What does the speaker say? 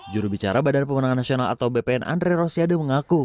jurubicara badan pemenangan nasional atau bpn andre rosiade mengaku